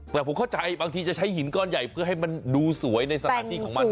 แต่ผมเข้าใจบางทีจะใช้หินก้อนใหญ่เพื่อให้มันดูสวยในสถานที่ของมัน